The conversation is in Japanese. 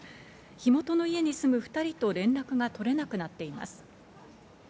火元の家に住む２人と連絡が取れなくなっています。